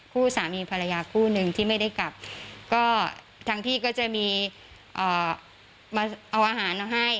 สามีภรรยาคู่หนึ่งที่ไม่ได้กลับก็ทั้งที่ก็จะมีมาเอาอาหารมาให้